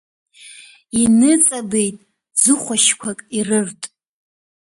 Иныҵабеит ӡыхәашьқәак ирырт.